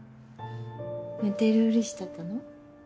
寝てるフリしてたの？